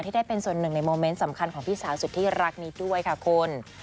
ได้เป็นส่วนหนึ่งในโมเมนต์สำคัญของพี่สาวสุดที่รักนิดด้วยค่ะคุณ